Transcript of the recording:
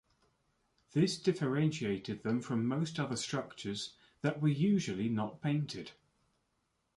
This differentiated them from most other structures that were usually not painted.